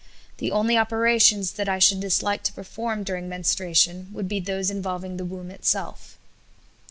The only operations that I should dislike to perform during menstruation would be those involving the womb itself."